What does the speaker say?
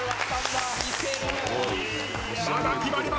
まだ決まりません！